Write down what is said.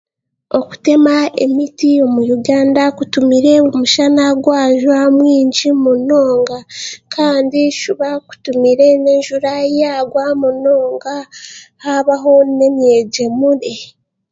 Okutema emiti omu Uganda kutumire omushana gwajwa mwingi munonga kandi juba kutumire n'enjura yaagwa munonga haabaho n'emyegyemure.